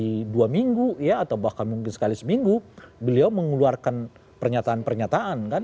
di dua minggu ya atau bahkan mungkin sekali seminggu beliau mengeluarkan pernyataan pernyataan kan